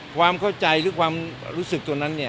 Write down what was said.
ความเข้าใจหรือความรู้สึกตัวนั้นเนี่ย